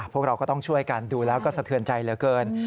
พวกเราก็ต้องช่วยกันดูแล้วก็สะเทือนใจเหลือเกิน